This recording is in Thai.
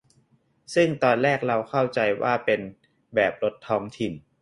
ซึ่งตอนแรกเราเข้าใจว่าเป็นแบบรถท้องถิ่น